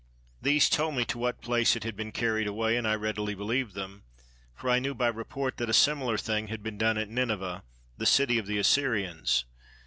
These told me to what place it had been carried away; and I readily believed them, for I knew by report that a similar thing had been done at Nineveh, the city of the Assyrians.